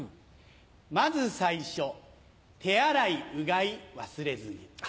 先ず最初手洗いうがい忘れずに。